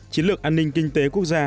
chiến lược an ninh kinh tế quốc gia